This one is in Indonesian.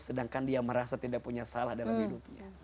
sedangkan dia merasa tidak punya salah dalam hidupnya